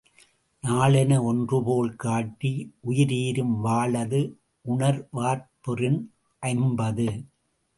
நாளென ஒன்றுபோல் காட்டி உயிர்ஈரும் வாளது உணர்வார்ப் பெறின் ஐம்பது.